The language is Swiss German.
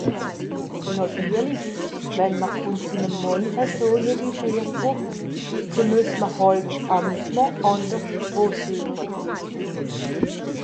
Nàtirlich, wenn m’r vùn sim Mànn eso neglischiert wùrd, ze muess m’r hàlt ’s Amusement àndersch wo sueche.